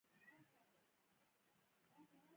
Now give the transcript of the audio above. د اقتصادي ډګر له مخکښې څېرې پرته د بنسټ جوړول ګران کار و.